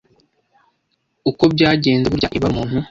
Uko byagenze burya ibara umupfu